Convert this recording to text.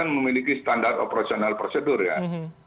atau mungkin berapa lama durasinya bagaimana saya bisa mengetahui itu